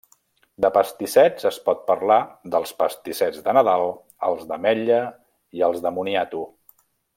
De pastissets es pot parlar dels pastissets de Nadal, els d'ametlla, i els de moniato.